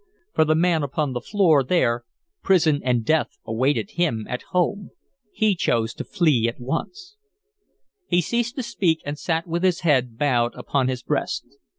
For the man upon the floor, there, prison and death awaited him at home. He chose to flee at once." He ceased to speak, and sat with his head bowed upon his breast.